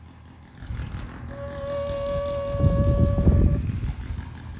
The island is owned by Vermilion International, a company based in the Maldives.